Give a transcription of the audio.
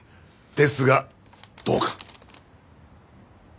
ですがどうか。